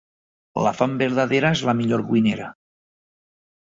La fam verdadera és la millor cuinera.